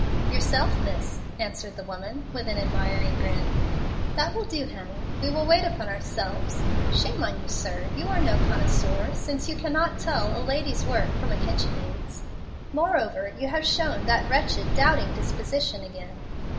"Yourself, miss," answered the woman, with an admiring grin. "That will do, Hannah; we will wait upon ourselves. Shame on you, sir! You are no connoisseur, since you cannot tell a lady's work from a kitchen maid's. Moreover, you have shown that wretched doubting disposition again."